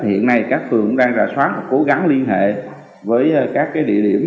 hiện nay các phường cũng đang rà soát và cố gắng liên hệ với các địa điểm